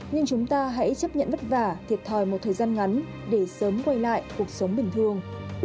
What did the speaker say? nhưng chúng ta hãy chấp nhận vất vả thiệt thòi một thời gian ngắn để sớm quay lại cuộc sống bình thường